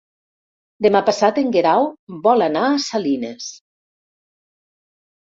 Demà passat en Guerau vol anar a Salines.